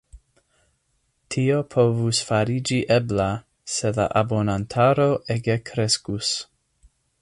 Tio povus fariĝi ebla, se la abonantaro ege kreskus.